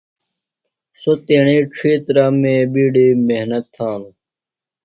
سوۡ تیݨی ڇِھیترہ مے بیڈیۡ محنت تھانوۡ۔